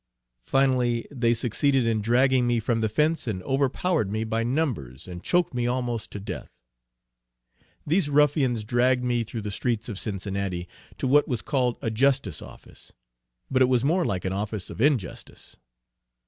Finally, they succeeded in dragging me from the fence and overpowered me by numbers and choked me almost to death. These ruffians dragged me through the streets of Cincinnati, to what was called a justice office. But it was more like an office of injustice.